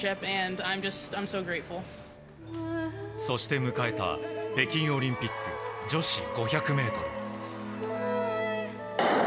そして迎えた北京オリンピック女子５００ｍ。